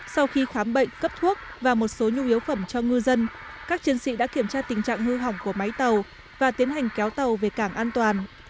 sau khi khám bệnh cấp thuốc và một số nhu yếu phẩm cho ngư dân các chiến sĩ đã kiểm tra tình trạng hư hỏng của máy tàu và tiến hành kéo tàu về cảng an toàn